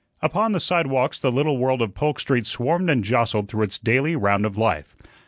Upon the sidewalks the little world of Polk Street swarmed and jostled through its daily round of life.